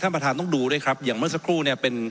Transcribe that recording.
ประธานต้องดูด้วยครับอย่างเมื่อสักครู่เนี่ยเป็น